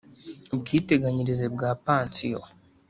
ubwiteganyirize bwa pansiyo